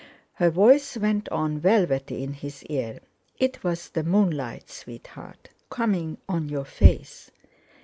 Her voice went on, velvety in his ear: "It was the moonlight, sweetheart, coming on your face."